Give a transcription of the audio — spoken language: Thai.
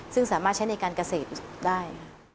ซึ่งสามารถใช้ในการเกษตรได้